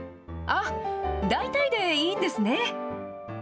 あっ、大体でいいんですね。